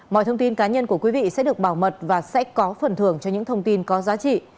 mọi thông tin cá nhân của quý vị sẽ được bảo mật và sẽ có phần thưởng cho những thông tin có giá trị